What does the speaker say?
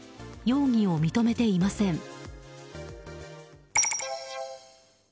容疑を認めていません。